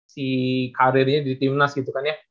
si karirnya di timnas gitu kan ya